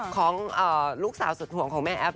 ของลูกสาวสุดห่วงของแม่แอฟ